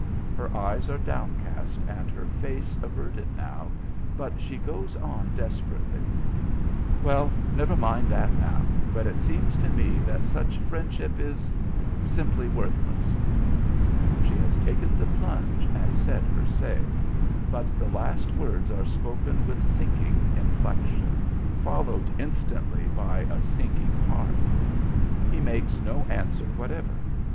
Her eyes are downcast and her face averted now, but she goes on desperately. "Well, never mind that now; but it seems to me that such friendship is simply worthless." She has taken the plunge and said her say, but the last words are spoken with sinking inflection, followed instantly by a sinking heart. He makes no answer whatever.